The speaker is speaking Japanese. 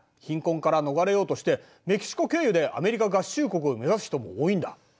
貧困から逃れようとしてメキシコ経由でアメリカ合衆国を目指す人も多いんだ。